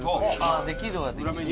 できるはできるんだ。